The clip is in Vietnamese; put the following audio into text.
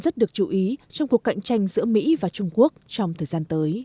rất được chú ý trong cuộc cạnh tranh giữa mỹ và trung quốc trong thời gian tới